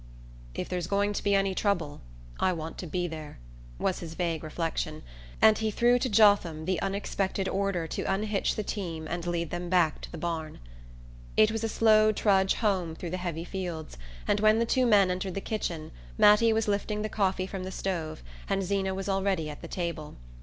"If there's going to be any trouble I want to be there," was his vague reflection, as he threw to Jotham the unexpected order to unhitch the team and lead them back to the barn. It was a slow trudge home through the heavy fields, and when the two men entered the kitchen Mattie was lifting the coffee from the stove and Zeena was already at the table.